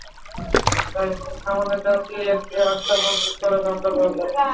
তাই তিনি সামনের দাঁত দিয়ে একটি আংটা মজবুত করে কামড়ে ধরলেন।